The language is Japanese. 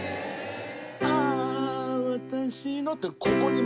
「ああ私の」って。